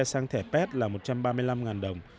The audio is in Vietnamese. sang thẻ pet là một trăm ba mươi năm đồng